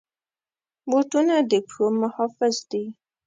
بوټونه د پښو محافظ دي.